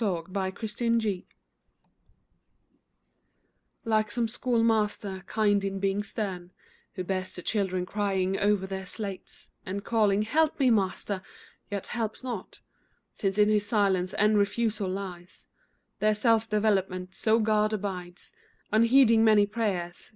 UNANSWERED PRAYERS Like some schoolmaster, kind in being stern, Who hears the children crying o'er their slates And calling, "Help me, master!" yet helps not, Since in his silence and refusal lies Their self development, so God abides Unheeding many prayers.